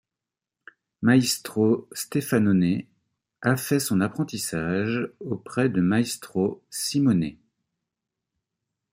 Maestro Stefanone a fait son apprentissage auprès de Maestro Simone.